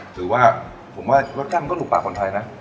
หรือว่ารสชั่นก็หนูปากก่อนใหม่นะ